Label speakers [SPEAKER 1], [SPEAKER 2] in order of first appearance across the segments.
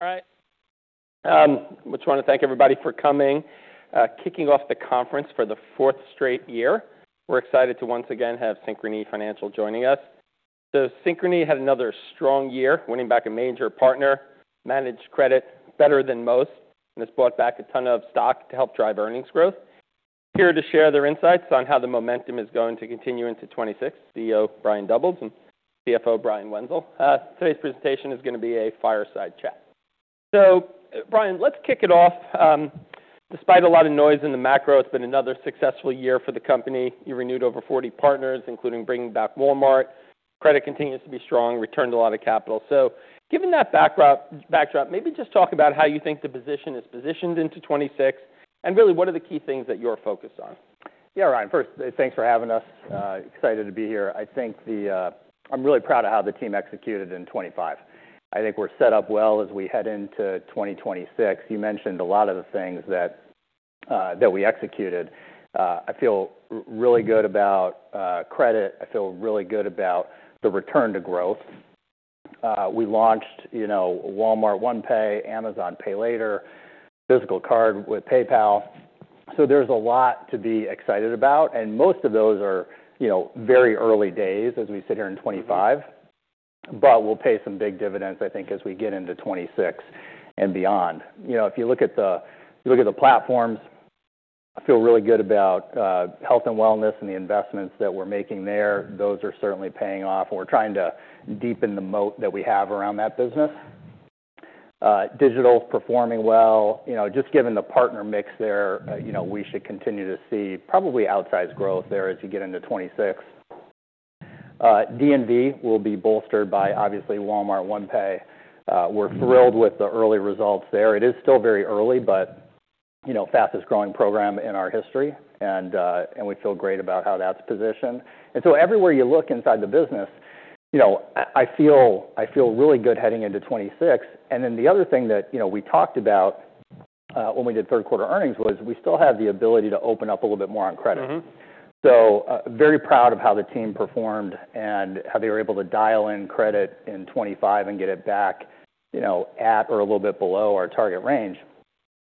[SPEAKER 1] All right. I just want to thank everybody for coming. Kicking off the conference for the fourth straight year, we're excited to once again have Synchrony Financial joining us. So, Synchrony had another strong year, winning back a major partner, managed credit better than most, and has bought back a ton of stock to help drive earnings growth. Here to share their insights on how the momentum is going to continue into 2026. CEO Brian Doubles and CFO Brian Wenzel. Today's presentation is gonna be a fireside chat. So, Brian, let's kick it off. Despite a lot of noise in the macro, it's been another successful year for the company. You renewed over 40 partners, including bringing back Walmart. Credit continues to be strong, returned a lot of capital. So, given that backdrop, maybe just talk about how you think the position is positioned into 2026, and really what are the key things that you're focused on?
[SPEAKER 2] Yeah, Ryan, first, thanks for having us. Excited to be here. I think, I'm really proud of how the team executed in 2025. I think we're set up well as we head into 2026. You mentioned a lot of the things that we executed. I feel really good about credit. I feel really good about the return to growth. We launched, you know, Walmart OnePay, Amazon Pay Later, physical card with PayPal. So there's a lot to be excited about, and most of those are, you know, very early days as we sit here in 2025, but we'll pay some big dividends, I think, as we get into 2026 and beyond. You know, if you look at the platforms, I feel really good about Health and Wellness and the investments that we're making there. Those are certainly paying off, and we're trying to deepen the moat that we have around that business. Digital performing well, you know, just given the partner mix there, you know, we should continue to see probably outsized growth there as you get into 2026. D&V will be bolstered by, obviously, Walmart OnePay. We're thrilled with the early results there. It is still very early, but, you know, fastest growing program in our history. And, and we feel great about how that's positioned. And so everywhere you look inside the business, you know, I, I feel, I feel really good heading into 2026. And then the other thing that, you know, we talked about, when we did third quarter earnings was we still have the ability to open up a little bit more on credit.
[SPEAKER 1] Mm-hmm.
[SPEAKER 2] So, very proud of how the team performed and how they were able to dial in credit in 2025 and get it back, you know, at or a little bit below our target range.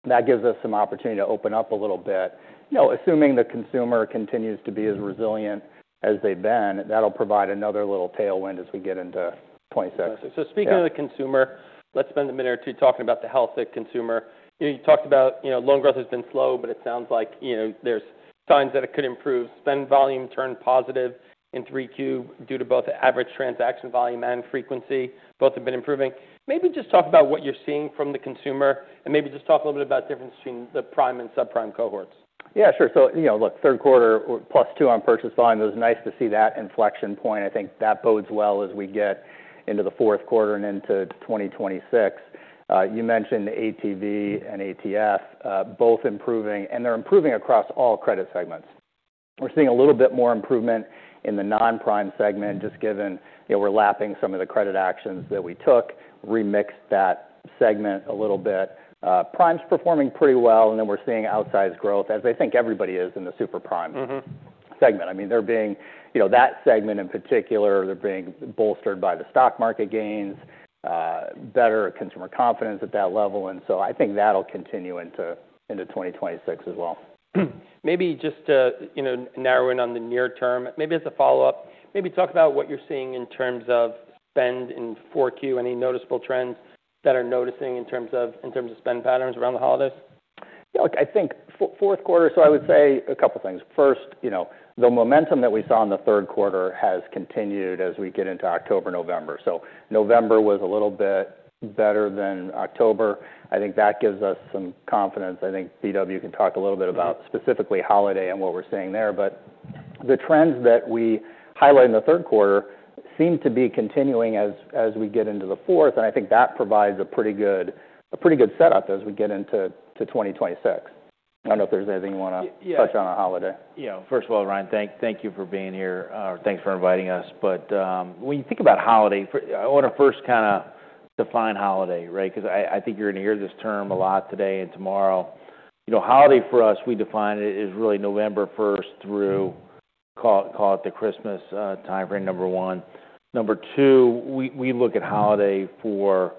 [SPEAKER 2] That gives us some opportunity to open up a little bit. You know, assuming the consumer continues to be as resilient as they've been, that'll provide another little tailwind as we get into 2026.
[SPEAKER 1] So speaking of the consumer, let's spend a minute or two talking about the health of consumer. You know, you talked about, you know, loan growth has been slow, but it sounds like, you know, there's signs that it could improve. Spend volume turned positive in 3Q due to both average transaction volume and frequency. Both have been improving. Maybe just talk about what you're seeing from the consumer, and maybe just talk a little bit about difference between the prime and subprime cohorts.
[SPEAKER 2] Yeah, sure. So, you know, look, third quarter +2% on purchase volume. It was nice to see that inflection point. I think that bodes well as we get into the fourth quarter and into 2026. You mentioned ATV and ATF, both improving, and they're improving across all credit segments. We're seeing a little bit more improvement in the non-prime segment just given, you know, we're lapping some of the credit actions that we took, remixed that segment a little bit. Prime's performing pretty well, and then we're seeing outsized growth as I think everybody is in the super prime.
[SPEAKER 1] Mm-hmm.
[SPEAKER 2] Segment. I mean, they're being, you know, that segment in particular, they're being bolstered by the stock market gains, better consumer confidence at that level. And so I think that'll continue into 2026 as well.
[SPEAKER 1] Maybe just to, you know, narrow in on the near term, maybe as a follow-up, maybe talk about what you're seeing in terms of spend in Q4, any noticeable trends that are noticing in terms of spend patterns around the holidays?
[SPEAKER 2] Yeah, look, I think fourth quarter, so I would say a couple of things. First, you know, the momentum that we saw in the third quarter has continued as we get into October, November. So November was a little bit better than October. I think that gives us some confidence. I think BW can talk a little bit about specifically holiday and what we're seeing there, but the trends that we highlight in the third quarter seem to be continuing as, as we get into the fourth. And I think that provides a pretty good, a pretty good setup as we get into, to 2026. I don't know if there's anything you want to touch on on holiday.
[SPEAKER 3] Yeah. First of all, Ryan, thank you for being here. Thanks for inviting us, but when you think about holiday, I want to first kind of define holiday, right? Because I think you're going to hear this term a lot today and tomorrow. You know, holiday for us, we define it as really November 1st through, call it the Christmas timeframe, number one. Number two, we look at holiday for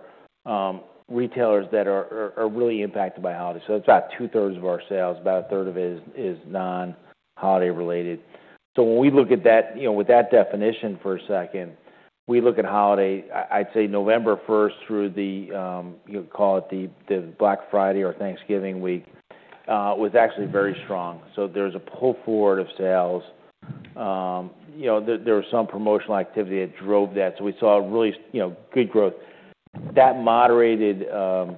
[SPEAKER 3] retailers that are really impacted by holiday. So it's about two-thirds of our sales, about a third of it is non-holiday related. So when we look at that, you know, with that definition for a second, we look at holiday, I'd say November 1st through the, you know, call it the Black Friday or Thanksgiving week, was actually very strong. So there was a pull forward of sales. You know, there was some promotional activity that drove that. So we saw really, you know, good growth. That moderated a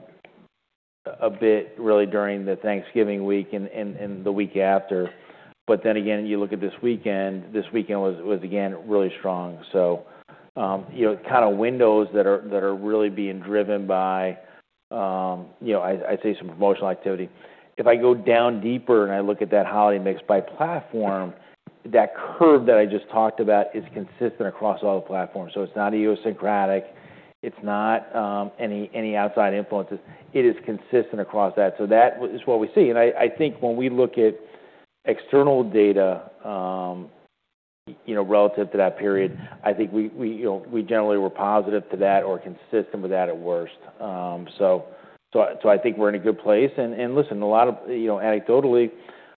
[SPEAKER 3] bit really during the Thanksgiving week and the week after. But then again, you look at this weekend; this weekend was again really strong. So, you know, kind of windows that are really being driven by, you know, I, I'd say some promotional activity. If I go down deeper and I look at that holiday mix by platform, that curve that I just talked about is consistent across all the platforms. So it's not idiosyncratic. It's not any outside influences. It is consistent across that. So that is what we see. I think when we look at external data, you know, relative to that period, I think we, you know, generally were positive to that or consistent with that at worst, so I think we're in a good place. Listen, a lot of, you know, anecdotally,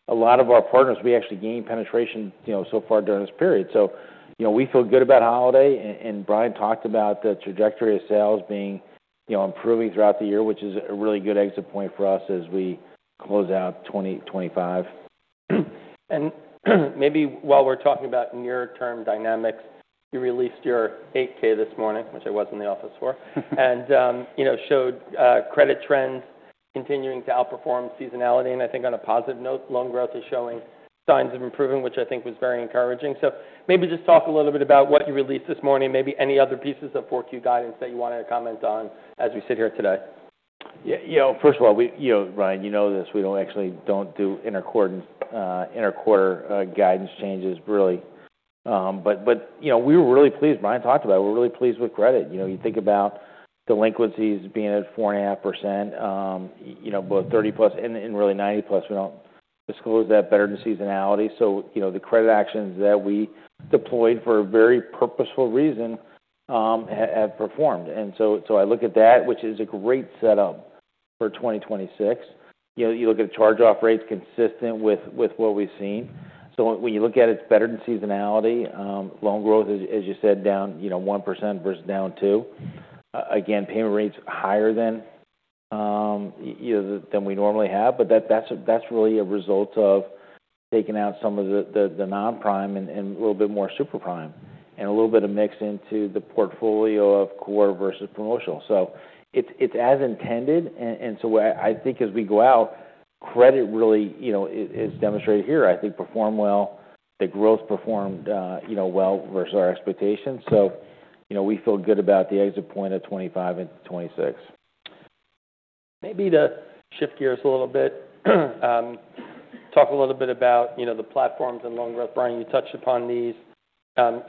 [SPEAKER 3] a lot of our partners, we actually gained penetration, you know, so far during this period. You know, we feel good about holiday. Brian talked about the trajectory of sales being, you know, improving throughout the year, which is a really good exit point for us as we close out 2025.
[SPEAKER 1] Maybe while we're talking about near-term dynamics, you released your 8-K this morning, which I was in the office for, and, you know, showed credit trends continuing to outperform seasonality. I think on a positive note, loan growth is showing signs of improving, which I think was very encouraging. Maybe just talk a little bit about what you released this morning, maybe any other pieces of 4Q guidance that you wanted to comment on as we sit here today.
[SPEAKER 3] Yeah, you know, first of all, we, you know, Ryan, you know this, we don't actually do inter-quarter guidance changes really. But you know, we were really pleased. Brian talked about it. We're really pleased with credit. You know, you think about delinquencies being at 4.5%, you know, both 30+ and really 90+. We don't disclose that better than seasonality. So you know, the credit actions that we deployed for a very purposeful reason have performed. And so I look at that, which is a great setup for 2026. You know, you look at charge-off rates consistent with what we've seen. So when you look at it, it's better than seasonality. Loan growth is, as you said, down 1% versus down 2%. Again, payment rates higher than, you know, than we normally have. But that's really a result of taking out some of the non-prime and a little bit more super prime and a little bit of mix into the portfolio of core versus promotional. So it's as intended. And so I think as we go out, credit really, you know, is demonstrated here. I think performed well. The growth performed, you know, well versus our expectations. So, you know, we feel good about the exit point of 2025 into 2026.
[SPEAKER 1] Maybe to shift gears a little bit, talk a little bit about, you know, the platforms and loan growth. Brian, you touched upon these,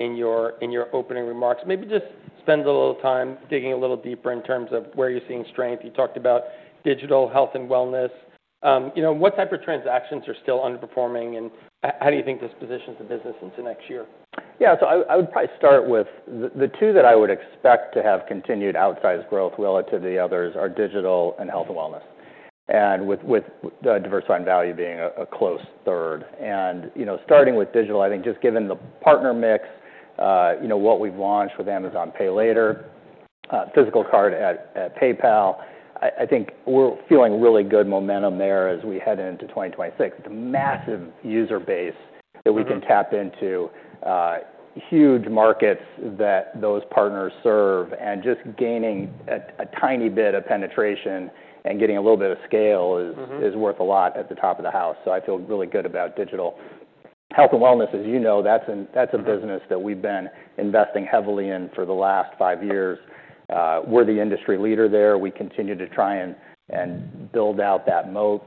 [SPEAKER 1] in your, in your opening remarks. Maybe just spend a little time digging a little deeper in terms of where you're seeing strength. You talked about Digital, Health, and Wellness. You know, what type of transactions are still underperforming? And how, how do you think this positions the business into next year?
[SPEAKER 2] Yeah. So I would probably start with the two that I would expect to have continued outsized growth relative to the others are Digital and Health and Wellness, and with diversified value being a close third. And you know, starting with digital, I think just given the partner mix, you know, what we've launched with Amazon Pay Later, physical card at PayPal, I think we're feeling really good momentum there as we head into 2026. It's a massive user base that we can tap into, huge markets that those partners serve. And just gaining a tiny bit of penetration and getting a little bit of scale is worth a lot at the top of the house. So I feel really good about Digital. Health and Wellness, as you know, that's a business that we've been investing heavily in for the last five years. We're the industry leader there. We continue to try and build out that moat.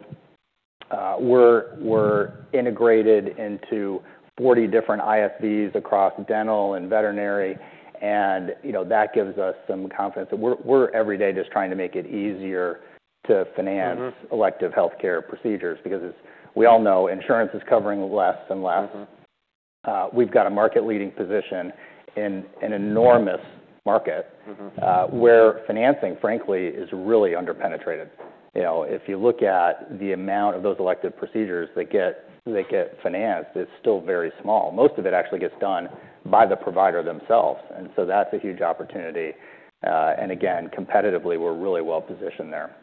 [SPEAKER 2] We're integrated into 40 different ISVs across dental and veterinary. And, you know, that gives us some confidence that we're every day just trying to make it easier to finance elective healthcare procedures because it's, we all know insurance is covering less and less.
[SPEAKER 1] Mm-hmm.
[SPEAKER 2] We've got a market-leading position in an enormous market, where financing, frankly, is really underpenetrated. You know, if you look at the amount of those elective procedures that get, that get financed, it's still very small. Most of it actually gets done by the provider themselves. And so that's a huge opportunity. And again, competitively, we're really well positioned there.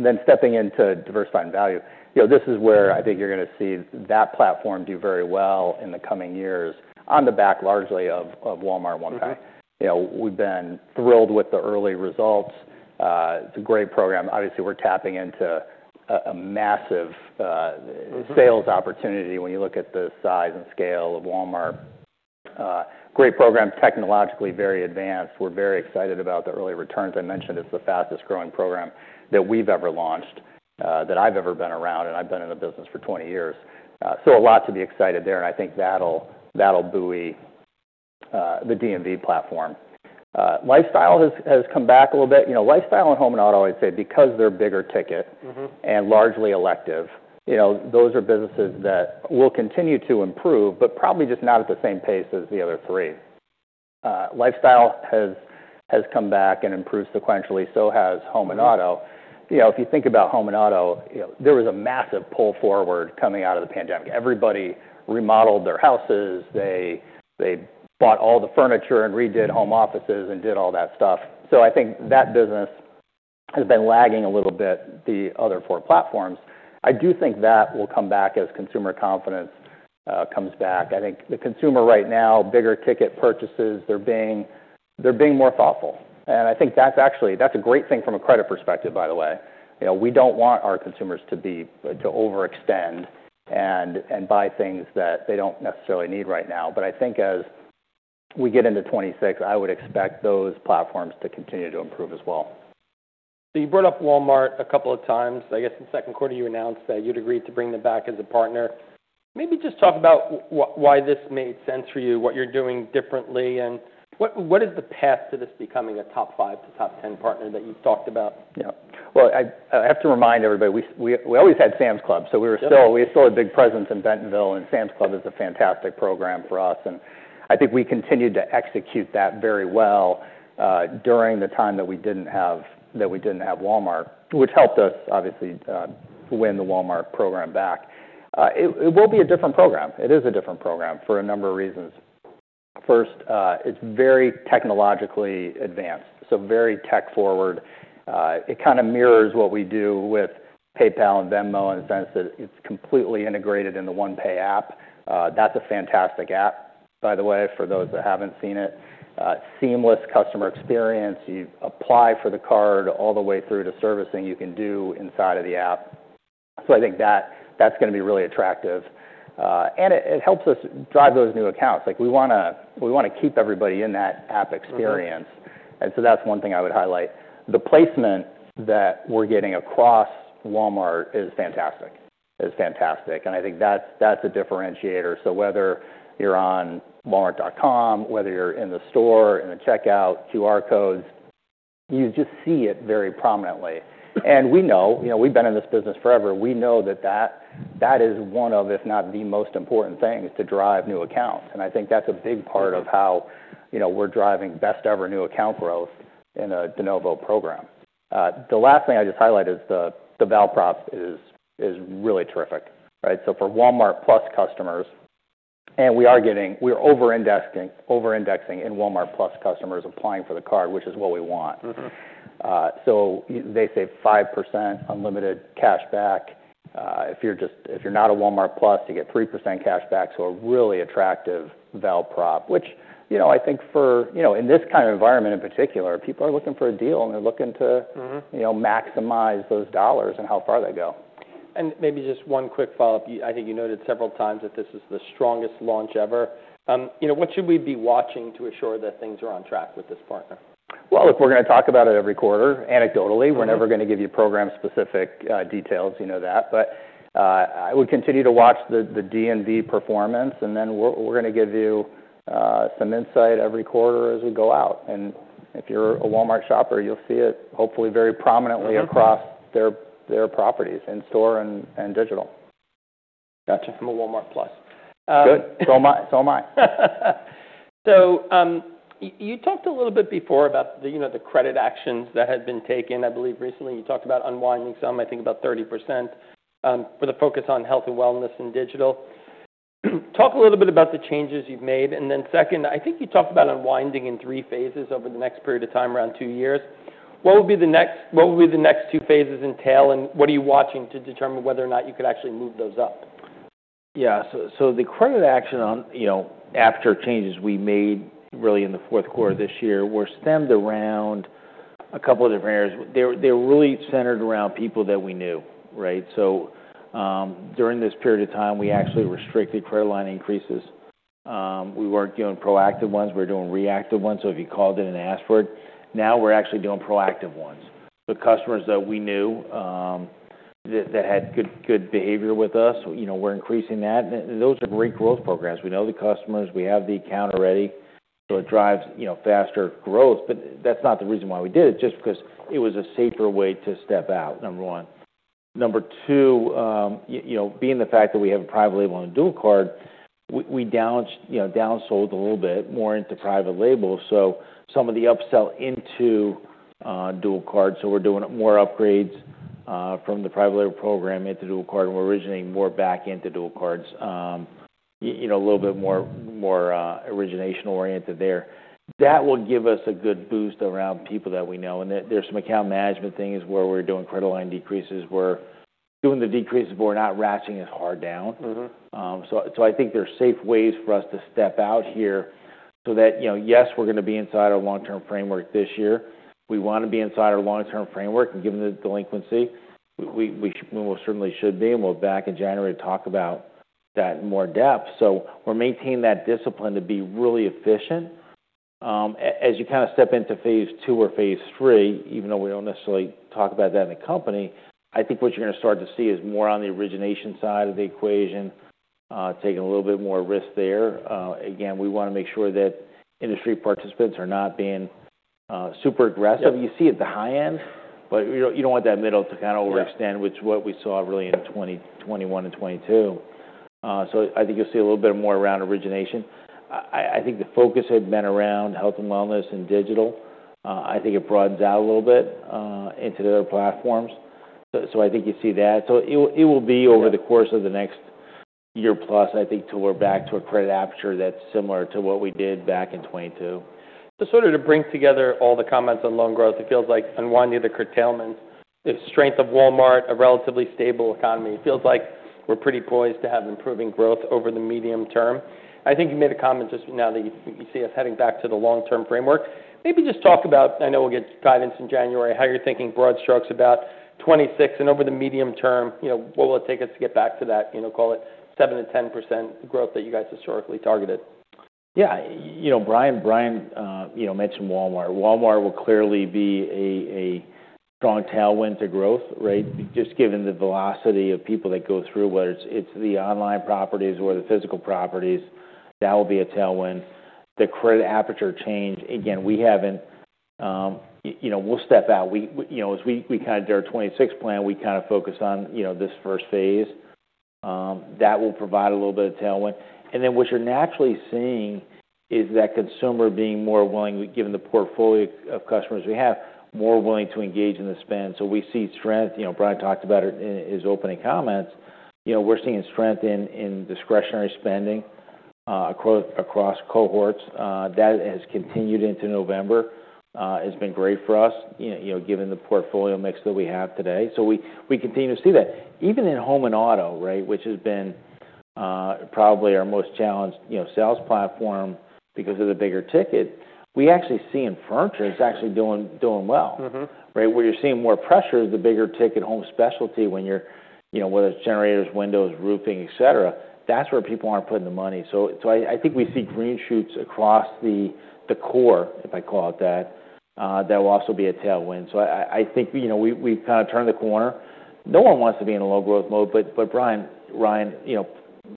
[SPEAKER 2] Then stepping into diversified value, you know, this is where I think you're going to see that platform do very well in the coming years on the back largely of, of Walmart OnePay. You know, we've been thrilled with the early results. It's a great program. Obviously, we're tapping into a massive, sales opportunity when you look at the size and scale of Walmart. Great program, technologically very advanced. We're very excited about the early returns. I mentioned it's the fastest growing program that we've ever launched, that I've ever been around, and I've been in the business for 20 years. So a lot to be excited there. And I think that'll buoy the D&V platform. Lifestyle has come back a little bit. You know, Lifestyle and Home and Auto, I'd say, because they're bigger ticket and largely elective, you know, those are businesses that will continue to improve, but probably just not at the same pace as the other three. Lifestyle has come back and improved sequentially. So has Home and Auto. You know, if you think about Home and Auto, you know, there was a massive pull forward coming out of the pandemic. Everybody remodeled their houses. They bought all the furniture and redid home offices and did all that stuff. So I think that business has been lagging a little bit the other four platforms. I do think that will come back as consumer confidence comes back. I think the consumer right now, bigger ticket purchases, they're being, they're being more thoughtful. And I think that's actually, that's a great thing from a credit perspective, by the way. You know, we don't want our consumers to be, to overextend and, and buy things that they don't necessarily need right now. But I think as we get into 2026, I would expect those platforms to continue to improve as well.
[SPEAKER 1] So you brought up Walmart a couple of times. I guess in second quarter, you announced that you'd agreed to bring them back as a partner. Maybe just talk about why, why this made sense for you, what you're doing differently, and what, what is the path to this becoming a top five to top ten partner that you've talked about?
[SPEAKER 2] Yeah. Well, I have to remind everybody we always had Sam's Club. So we still had a big presence in Bentonville, and Sam's Club is a fantastic program for us. And I think we continued to execute that very well during the time that we didn't have Walmart, which helped us obviously win the Walmart program back. It will be a different program. It is a different program for a number of reasons. First, it's very technologically advanced, so very tech forward. It kind of mirrors what we do with PayPal and Venmo in the sense that it's completely integrated in the OnePay app. That's a fantastic app, by the way, for those that haven't seen it. Seamless customer experience. You apply for the card all the way through to servicing. You can do inside of the app. So I think that, that's going to be really attractive, and it, it helps us drive those new accounts. Like we want to, we want to keep everybody in that app experience. And so that's one thing I would highlight. The placement that we're getting across Walmart is fantastic. It's fantastic. And I think that's, that's a differentiator. So whether you're on Walmart.com, whether you're in the store, in the checkout, QR codes, you just see it very prominently. And we know, you know, we've been in this business forever. We know that that, that is one of, if not the most important things to drive new accounts. And I think that's a big part of how, you know, we're driving best ever new account growth in a de novo program, the last thing I just highlight is the, the ValProps is, is really terrific, right? So for Walmart+ customers, and we are getting, we're over-indexing in Walmart+ customers applying for the card, which is what we want.
[SPEAKER 1] Mm-hmm.
[SPEAKER 2] So they say 5% unlimited cash back. If you're just, if you're not a Walmart+, you get 3% cash back. So a really attractive ValProp, which, you know, I think for, you know, in this kind of environment in particular, people are looking for a deal and they're looking to, you know, maximize those dollars and how far they go.
[SPEAKER 1] Maybe just one quick follow-up. You, I think you noted several times that this is the strongest launch ever. You know, what should we be watching to assure that things are on track with this partner?
[SPEAKER 2] If we're going to talk about it every quarter, anecdotally, we're never going to give you program-specific details. You know that. I would continue to watch the D&V performance, and then we're going to give you some insight every quarter as we go out. If you're a Walmart shopper, you'll see it hopefully very prominently across their properties in store and digital.
[SPEAKER 1] Gotcha. I'm a Walmart+.
[SPEAKER 2] Good. So am I. So am I.
[SPEAKER 1] So, you talked a little bit before about the, you know, the credit actions that had been taken. I believe recently you talked about unwinding some, I think about 30%, for the focus on health and wellness and digital. Talk a little bit about the changes you've made. And then second, I think you talked about unwinding in three phases over the next period of time, around two years. What would be the next, what would be the next two phases entail, and what are you watching to determine whether or not you could actually move those up?
[SPEAKER 2] Yeah. So, the credit action on, you know, after changes we made really in the fourth quarter of this year were stemmed around a couple of different areas. They were really centered around people that we knew, right? So, during this period of time, we actually restricted credit line increases. We weren't doing proactive ones. We were doing reactive ones. So if you called in and asked for it, now we're actually doing proactive ones. The customers that we knew, that had good behavior with us, you know, we're increasing that. And those are great growth programs. We know the customers. We have the account already. So it drives, you know, faster growth. But that's not the reason why we did it, just because it was a safer way to step out, number one. Number two, you know, being the fact that we have a Private Label on the Dual Card, we down, you know, downsold a little bit more into Private Label. So some of the upsell into Dual Card. So we're doing more upgrades from the Private Label program into Dual Card, and we're originating more back into Dual Cards, you know, a little bit more origination oriented there. That will give us a good boost around people that we know. There's some account management things where we're doing credit line decreases. We're doing the decreases, but we're not ratcheting as hard down.
[SPEAKER 1] Mm-hmm.
[SPEAKER 3] So, I think there's safe ways for us to step out here so that, you know, yes, we're going to be inside our long-term framework this year. We want to be inside our long-term framework. And given the delinquency, we will certainly should be. And we'll be back in January to talk about that in more depth. So we're maintaining that discipline to be really efficient. As you kind of step into phase two or phase three, even though we don't necessarily talk about that in the company, I think what you're going to start to see is more on the origination side of the equation, taking a little bit more risk there. Again, we want to make sure that industry participants are not being super aggressive. You see it at the high end, but you don't, you don't want that middle to kind of overextend, which is what we saw really in 2021 and 2022. So I think you'll see a little bit more around origination. I think the focus had been around Health and Wellness and Digital. I think it broadens out a little bit, into the other platforms. So I think you see that. So it will be over the course of the next year plus, I think, till we're back to a credit aperture that's similar to what we did back in 2022.
[SPEAKER 1] So sort of to bring together all the comments on loan growth, it feels like unwinding the curtailment, the strength of Walmart, a relatively stable economy. It feels like we're pretty poised to have improving growth over the medium term. I think you made a comment just now that you see us heading back to the long-term framework. Maybe just talk about, I know we'll get guidance in January, how you're thinking broad strokes about 2026 and over the medium term, you know, what will it take us to get back to that, you know, call it 7%-10% growth that you guys historically targeted?
[SPEAKER 2] Yeah. You know, Brian, Brian, you know, mentioned Walmart. Walmart will clearly be a strong tailwind to growth, right? Just given the velocity of people that go through, whether it's the online properties or the physical properties, that will be a tailwind. The credit aperture change, again, we haven't, you know, we'll step out. We, you know, as we kind of did our 2026 plan, we kind of focus on, you know, this first phase. That will provide a little bit of tailwind. And then what you're naturally seeing is that consumer being more willing, given the portfolio of customers we have, more willing to engage in the spend. So we see strength. You know, Brian talked about it in his opening comments. You know, we're seeing strength in discretionary spending, across cohorts. That has continued into November. It's been great for us, you know, given the portfolio mix that we have today. So we continue to see that even in Home and Auto, right, which has been, probably our most challenged, you know, sales platform because of the bigger ticket. We actually see in furniture, it's actually doing well.
[SPEAKER 1] Mm-hmm. Right? Where you're seeing more pressure is the bigger ticket home specialty when you're, you know, whether it's generators, windows, roofing, etc. That's where people aren't putting the money. So, so I, I think we see green shoots across the, the core, if I call it that, that will also be a tailwind. So I, I think, you know, we, we've kind of turned the corner. No one wants to be in a low growth mode. But, Ryan, you know,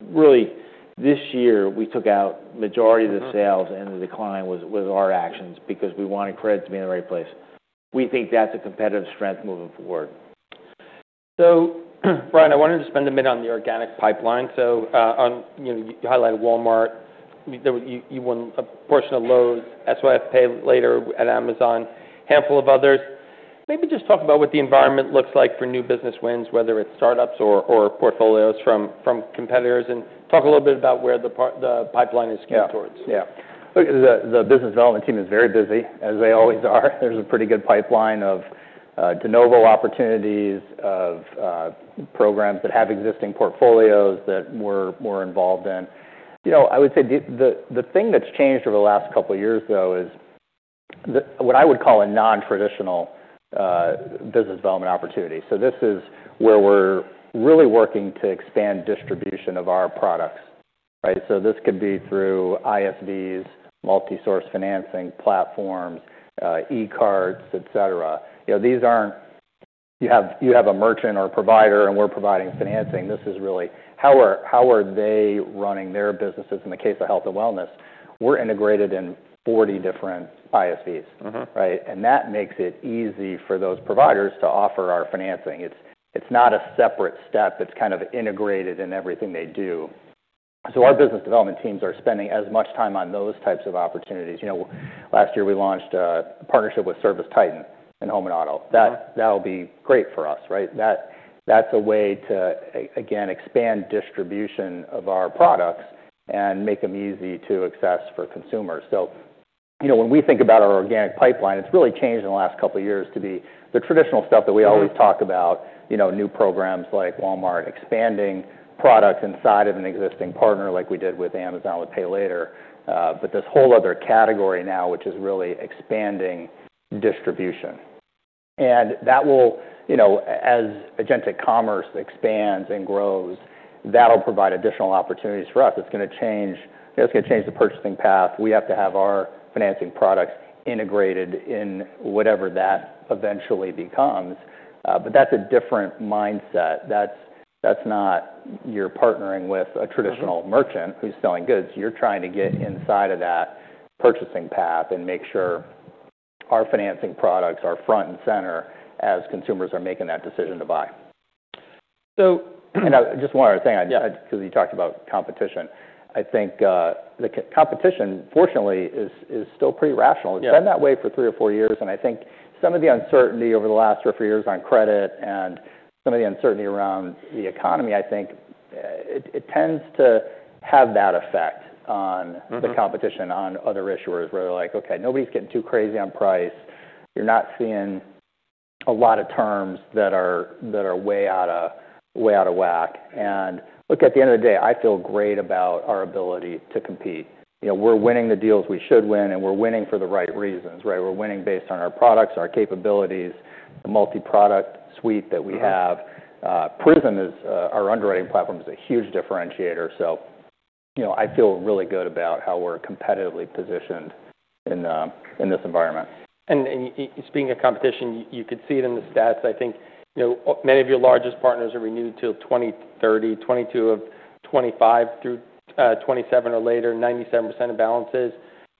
[SPEAKER 1] really this year we took out the majority of the sales, and the decline was, was our actions because we wanted credit to be in the right place. We think that's a competitive strength moving forward.
[SPEAKER 2] So Brian, I wanted to spend a minute on the organic pipeline. You know, you highlighted Walmart. There were you won a portion of Lowe's, Pay Later at Amazon, a handful of others. Maybe just talk about what the environment looks like for new business wins, whether it's startups or portfolios from competitors, and talk a little bit about where the pipeline is geared towards. Yeah. Yeah. Look, the business development team is very busy, as they always are. There's a pretty good pipeline of de novo opportunities, of programs that have existing portfolios that we're involved in. You know, I would say the thing that's changed over the last couple of years though is the what I would call a non-traditional business development opportunity. So this is where we're really working to expand distribution of our products, right? So this could be through ISVs, multi-source financing platforms, e-carts, etc. You know, these aren't. You have a merchant or a provider, and we're providing financing. This is really how they are running their businesses? In the case of health and wellness, we're integrated in 40 different ISVs, right? And that makes it easy for those providers to offer our financing. It's not a separate step. It's kind of integrated in everything they do. So our business development teams are spending as much time on those types of opportunities. You know, last year we launched a partnership with ServiceTitan in Home and Auto. That, that'll be great for us, right? That, that's a way to, again, expand distribution of our products and make them easy to access for consumers. So, you know, when we think about our organic pipeline, it's really changed in the last couple of years to be the traditional stuff that we always talk about, you know, new programs like Walmart, expanding products inside of an existing partner like we did with Amazon with Pay Later. But this whole other category now, which is really expanding distribution. And that will, you know, as Agentic Commerce expands and grows, that'll provide additional opportunities for us. It's going to change, it's going to change the purchasing path. We have to have our financing products integrated in whatever that eventually becomes. But that's a different mindset. That's, that's not. You're partnering with a traditional merchant who's selling goods. You're trying to get inside of that purchasing path and make sure our financing products are front and center as consumers are making that decision to buy.
[SPEAKER 1] So.
[SPEAKER 2] I just wanted to say, because you talked about competition, I think the competition, fortunately, is still pretty rational. It's been that way for three or four years. I think some of the uncertainty over the last two or three years on credit and some of the uncertainty around the economy, I think it tends to have that effect on the competition on other issuers where they're like, "Okay, nobody's getting too crazy on price." You're not seeing a lot of terms that are way out of whack. Look, at the end of the day, I feel great about our ability to compete. You know, we're winning the deals we should win, and we're winning for the right reasons, right? We're winning based on our products, our capabilities, the multi-product suite that we have. Prism, our underwriting platform, is a huge differentiator. So, you know, I feel really good about how we're competitively positioned in this environment.
[SPEAKER 1] And speaking of competition, you could see it in the stats. I think, you know, many of your largest partners are renewed till 2030. 2025 through 2027 or later, 97% of balances.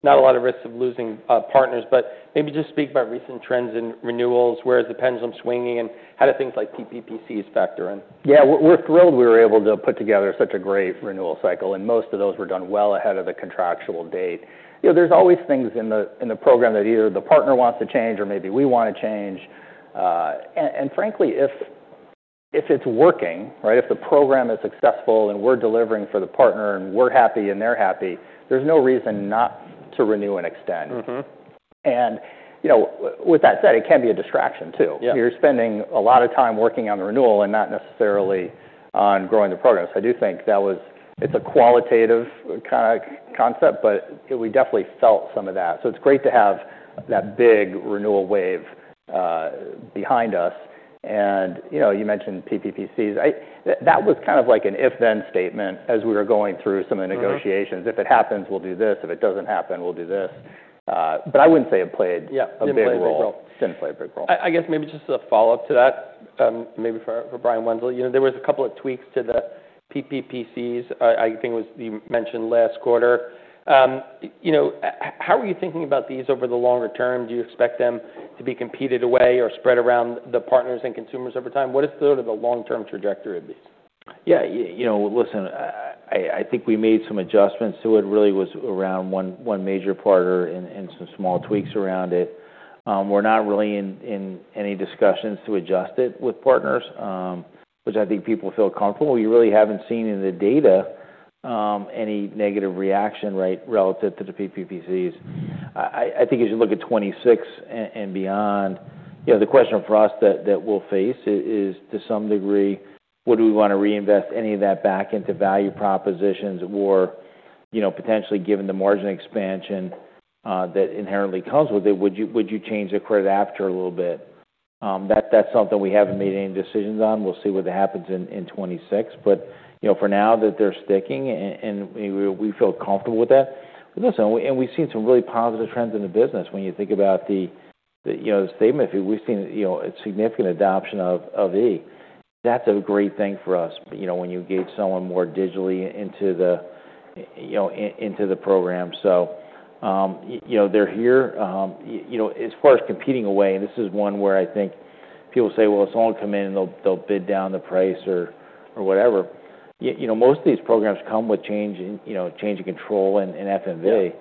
[SPEAKER 1] Not a lot of risks of losing partners. But maybe just speak about recent trends in renewals, where is the pendulum swinging, and how do things like PPP Cs factor in?
[SPEAKER 2] Yeah. We're thrilled we were able to put together such a great renewal cycle, and most of those were done well ahead of the contractual date. You know, there's always things in the program that either the partner wants to change or maybe we want to change. And frankly, if it's working, right, if the program is successful and we're delivering for the partner and we're happy and they're happy, there's no reason not to renew and extend.
[SPEAKER 1] Mm-hmm.
[SPEAKER 2] You know, with that said, it can be a distraction too.
[SPEAKER 1] Yeah.
[SPEAKER 2] You're spending a lot of time working on the renewal and not necessarily on growing the program. So I do think that was, it's a qualitative kind of concept, but we definitely felt some of that. So it's great to have that big renewal wave behind us, and you know, you mentioned PPP Cs. I, that was kind of like an if-then statement as we were going through some of the negotiations. If it happens, we'll do this. If it doesn't happen, we'll do this, but I wouldn't say it played a big role.
[SPEAKER 1] Yeah. It didn't play a big role.
[SPEAKER 2] It didn't play a big role.
[SPEAKER 1] I guess maybe just as a follow-up to that, maybe for Brian Wenzel, you know, there was a couple of tweaks to the PPP Cs. I think it was you mentioned last quarter. You know, how are you thinking about these over the longer term? Do you expect them to be competed away or spread around the partners and consumers over time? What is sort of the long-term trajectory of these?
[SPEAKER 3] Yeah. You know, listen, I think we made some adjustments to it. It really was around one major partner and some small tweaks around it. We're not really in any discussions to adjust it with partners, which I think people feel comfortable. We really haven't seen in the data any negative reaction, right, relative to the PPP Cs. I think as you look at 2026 and beyond, you know, the question for us that we'll face is to some degree, would we want to reinvest any of that back into value propositions or, you know, potentially given the margin expansion that inherently comes with it? Would you change the credit aperture a little bit? That's something we haven't made any decisions on. We'll see what happens in 2026. But you know, for now that they're sticking and we feel comfortable with that. But listen, we've seen some really positive trends in the business. When you think about the you know the statement, we've seen you know a significant adoption of e. That's a great thing for us you know when you engage someone more digitally into the you know into the program. So you know they're here. You know as far as competing away, this is one where I think people say, "Well, if someone come in and they'll bid down the price or whatever." You know most of these programs come with change you know change in control and FMV.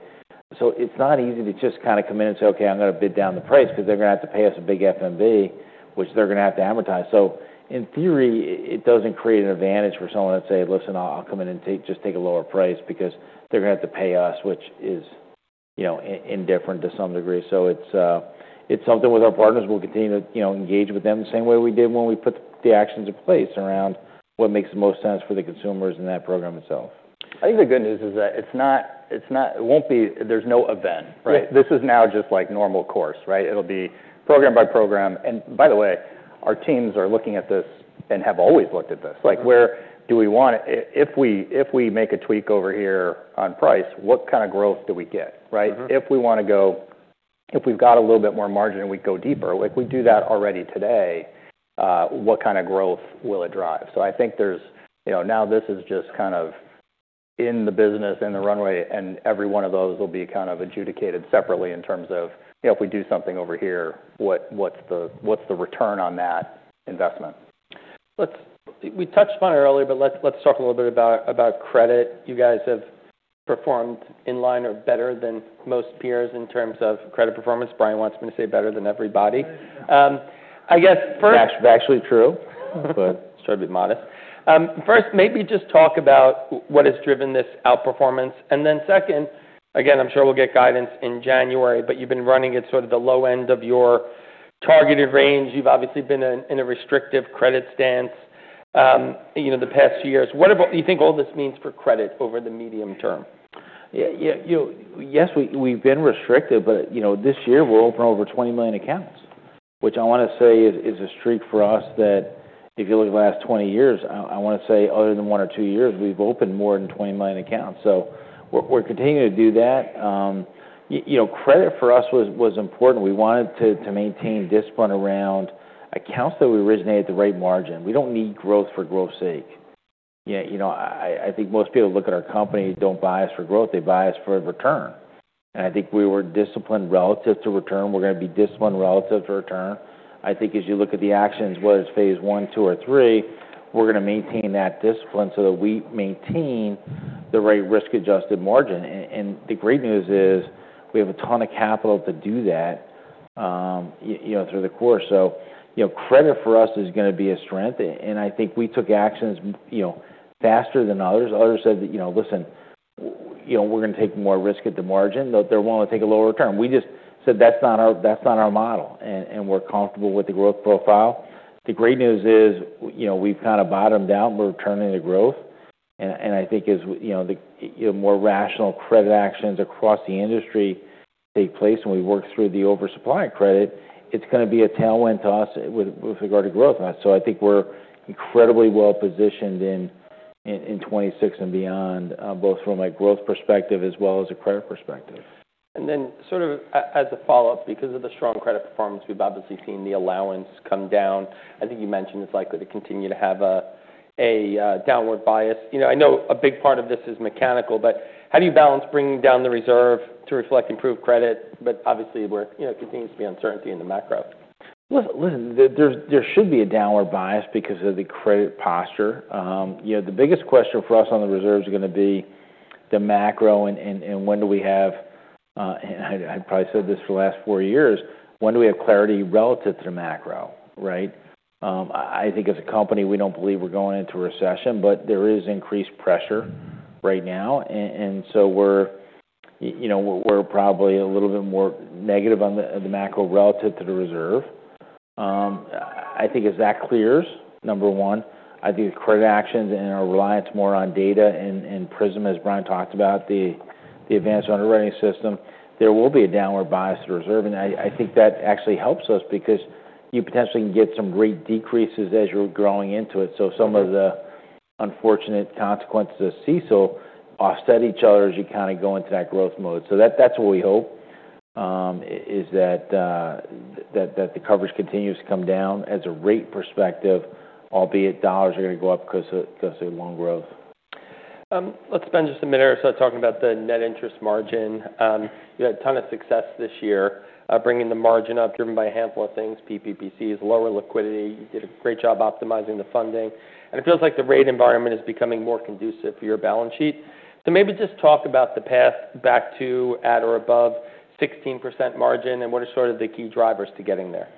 [SPEAKER 3] So it's not easy to just kind of come in and say, "Okay, I'm going to bid down the price because they're going to have to pay us a big FMV," which they're going to have to amortize. So in theory, it doesn't create an advantage for someone that says, "Listen, I'll come in and take a lower price because they're going to have to pay us," which is, you know, indifferent to some degree. So it's something with our partners. We'll continue to, you know, engage with them the same way we did when we put the actions in place around what makes the most sense for the consumers and that program itself.
[SPEAKER 2] I think the good news is that it's not, it won't be, there's no event, right? This is now just like normal course, right? It'll be program by program. And by the way, our teams are looking at this and have always looked at this. Like, where do we want it? If we make a tweak over here on price, what kind of growth do we get, right? If we want to go, if we've got a little bit more margin and we go deeper, like we do that already today, what kind of growth will it drive? So I think there's, you know, now this is just kind of in the business and the runway, and every one of those will be kind of adjudicated separately in terms of, you know, if we do something over here, what's the return on that investment?
[SPEAKER 1] Let's. We touched on it earlier, but let's talk a little bit about credit. You guys have performed in line or better than most peers in terms of credit performance. Brian wants me to say better than everybody. I guess first.
[SPEAKER 2] That's actually true, but let's try to be modest.
[SPEAKER 1] First, maybe just talk about what has driven this outperformance, and then second, again, I'm sure we'll get guidance in January, but you've been running at sort of the low end of your targeted range. You've obviously been in a restrictive credit stance, you know, the past few years. What about, you think all this means for credit over the medium term?
[SPEAKER 2] Yeah. You know, yes, we've been restrictive, but, you know, this year we're opening over 20 million accounts, which I want to say is a streak for us that if you look at the last 20 years, I want to say other than one or two years, we've opened more than 20 million accounts. So we're continuing to do that. You know, credit for us was important. We wanted to maintain discipline around accounts that we originated at the right margin. We don't need growth for growth's sake. You know, I think most people look at our company, don't buy us for growth. They buy us for return. And I think we were disciplined relative to return. We're going to be disciplined relative to return. I think as you look at the actions, whether it's phase one, two, or three, we're going to maintain that discipline so that we maintain the right risk-adjusted margin. And the great news is we have a ton of capital to do that, you know, through the course. So, you know, credit for us is going to be a strength. And I think we took actions, you know, faster than others. Others said that, you know, listen, you know, we're going to take more risk at the margin. They're willing to take a lower return. We just said that's not our model. And we're comfortable with the growth profile. The great news is, you know, we've kind of bottomed out. We're returning to growth. I think as we, you know, more rational credit actions across the industry take place and we work through the oversupply of credit, it's going to be a tailwind to us with regard to growth. So I think we're incredibly well positioned in 2026 and beyond, both from a growth perspective as well as a credit perspective.
[SPEAKER 1] And then sort of as a follow-up, because of the strong credit performance, we've obviously seen the allowance come down. I think you mentioned it's likely to continue to have a downward bias. You know, I know a big part of this is mechanical, but how do you balance bringing down the reserve to reflect improved credit? But obviously we're, you know, continuing to see uncertainty in the macro.
[SPEAKER 3] Listen, there should be a downward bias because of the credit posture. You know, the biggest question for us on the reserves is going to be the macro and when do we have. I probably said this for the last four years, when do we have clarity relative to the macro, right? I think as a company, we don't believe we're going into a recession, but there is increased pressure right now. And so we're, you know, we're probably a little bit more negative on the macro relative to the reserve. I think as that clears, number one, I think the credit actions and our reliance more on data and Prism, as Brian talked about, the advanced underwriting system, there will be a downward bias to the reserve. I think that actually helps us because you potentially can get some great decreases as you're growing into it. So some of the unfortunate consequences of Cecil offset each other as you kind of go into that growth mode. So that's what we hope, is that the coverage continues to come down as a rate perspective, albeit dollars are going to go up because of loan growth.
[SPEAKER 1] Let's spend just a minute or so talking about the net interest margin. You had a ton of success this year, bringing the margin up driven by a handful of things, PPP Cs, lower liquidity. You did a great job optimizing the funding. And it feels like the rate environment is becoming more conducive for your balance sheet. So maybe just talk about the path back to at or above 16% margin and what are sort of the key drivers to getting there.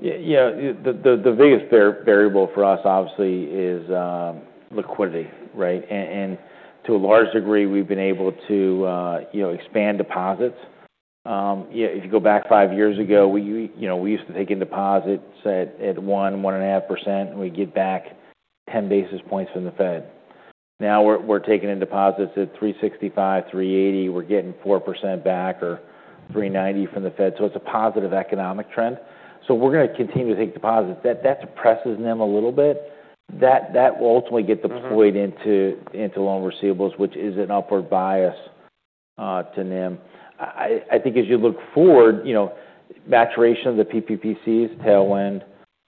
[SPEAKER 3] You know, the biggest variable for us obviously is liquidity, right? And to a large degree, we've been able to, you know, expand deposits. You know, if you go back five years ago, you know, we used to take in deposits at 1%-1.5%, and we'd get back 10 basis points from the Fed. Now we're taking in deposits at 3.65%-3.80%. We're getting 4% back or 3.90% from the Fed. So it's a positive economic trend. So we're going to continue to take deposits. That depresses NIM a little bit. That will ultimately get deployed into loan receivables, which is an upward bias to NIM. I think as you look forward, you know, maturation of the PPP Cs tailwind,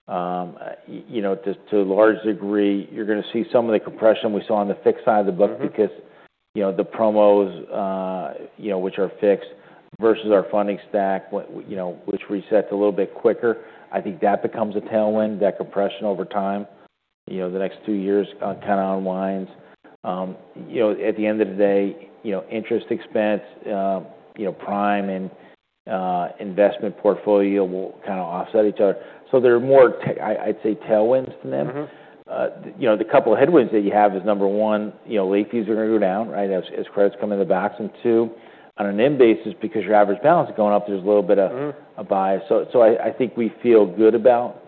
[SPEAKER 3] you know, to a large degree, you're going to see some of the compression we saw on the fixed side of the book because, you know, the promos, you know, which are fixed versus our funding stack, you know, which resets a little bit quicker. I think that becomes a tailwind, that compression over time, you know, the next two years kind of unwinds. You know, at the end of the day, you know, interest expense, you know, prime and investment portfolio will kind of offset each other. So there are more, I'd say, tailwinds to NIM.
[SPEAKER 1] Mm-hmm.
[SPEAKER 3] You know, the couple of headwinds that you have is number one, you know, late fees are going to go down, right, as credits come in the box. And two, on a NIM basis, because your average balance is going up, there's a little bit of a bias. So, I think we feel good about,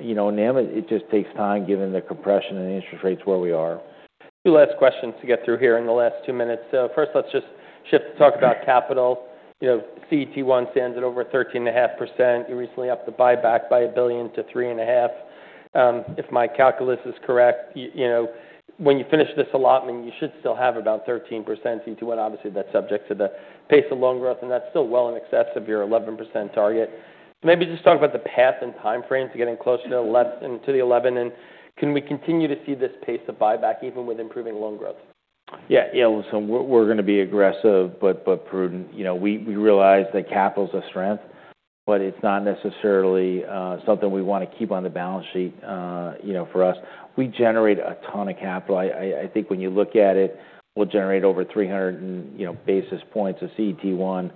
[SPEAKER 3] you know, NIM. It just takes time given the compression and interest rates where we are.
[SPEAKER 1] Two last questions to get through here in the last two minutes. So first, let's just shift to talk about capital. You know, CET1 stands at over 13.5%. You recently upped the buyback by $1 billion-$3.5 billion. If my calculus is correct, you know, when you finish this allotment, you should still have about 13% CET1. Obviously, that's subject to the pace of loan growth, and that's still well in excess of your 11% target. Maybe just talk about the path and time frames getting closer to the 11%. And can we continue to see this pace of buyback even with improving loan growth?
[SPEAKER 3] Yeah. You know, listen, we're going to be aggressive, but prudent. You know, we realize that capital's a strength, but it's not necessarily something we want to keep on the balance sheet, you know, for us. We generate a ton of capital. I think when you look at it, we'll generate over 300 basis points of CET1.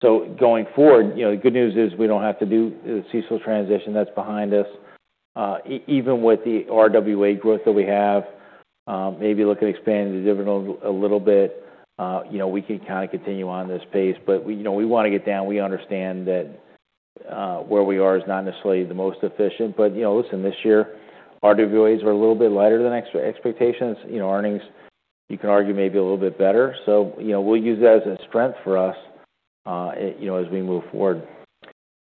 [SPEAKER 3] So going forward, you know, the good news is we don't have to do the Cecil transition that's behind us. Even with the RWA growth that we have, maybe look at expanding the dividend a little bit, you know, we can kind of continue on this pace. But we, you know, want to get down. We understand that where we are is not necessarily the most efficient. But, you know, listen, this year, RWAs are a little bit lighter than expectations. You know, earnings, you can argue maybe a little bit better. So, you know, we'll use that as a strength for us, you know, as we move forward.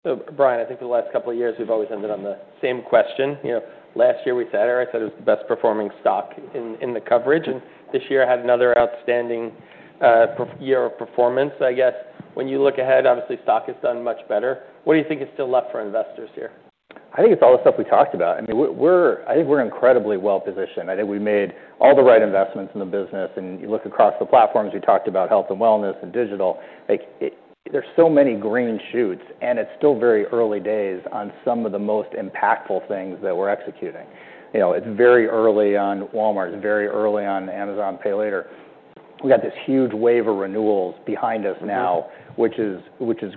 [SPEAKER 1] So, Brian, I think the last couple of years we've always ended on the same question. You know, last year we sat here. I said it was the best performing stock in the coverage. And this year had another outstanding year of performance. I guess when you look ahead, obviously the stock has done much better. What do you think is still left for investors here?
[SPEAKER 2] I think it's all the stuff we talked about. I mean, we're, I think we're incredibly well positioned. I think we made all the right investments in the business, and you look across the platforms. We talked about Health and Wellness and Digital. Like, there's so many green shoots, and it's still very early days on some of the most impactful things that we're executing. You know, it's very early on Walmart. It's very early on Amazon Pay Later. We got this huge wave of renewals behind us now, which is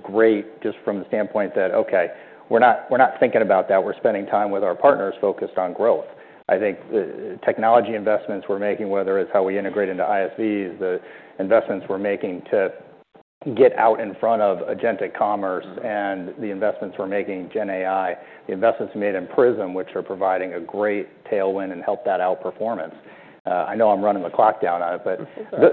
[SPEAKER 2] great just from the standpoint that, okay, we're not thinking about that. We're spending time with our partners focused on growth. I think the technology investments we're making, whether it's how we integrate into ISVs, the investments we're making to get out in front of Agentic Commerce and the investments we're making GenAI, the investments we made in Prism, which are providing a great tailwind and help that outperformance. I know I'm running the clock down on it, but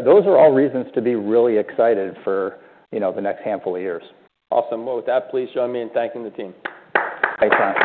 [SPEAKER 2] those are all reasons to be really excited for, you know, the next handful of years.
[SPEAKER 1] Awesome. Well, with that, please join me in thanking the team.
[SPEAKER 2] Thanks, Brian.